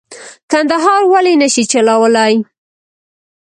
کندهار ولې نه شي چلولای.